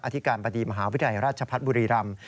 อธิการบดีมหาวิทยาลัยราชพัฒน์บุรีรำ